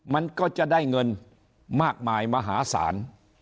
มันก็จะได้เงินมากมายมหาศาล